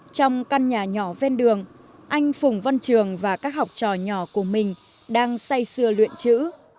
trong căn nhà nhỏ ven đường anh phùng văn trường và các học trò nhỏ của mình đang say xưa luyện chữ